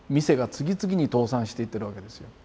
次々に倒産していってるわけですよ。